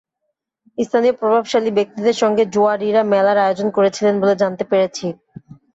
স্থানীয় প্রভাবশালী ব্যক্তিদের সঙ্গে জুয়াড়িরা মেলার আয়োজন করেছিলেন বলে জানতে পেরেছি।